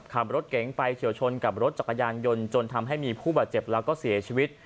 ขับรถเก๋งไปเฉียวชนกับรถจักรยานยนต์จนทำให้มีผู้บาดเจ็บแล้วก็เสียชีวิต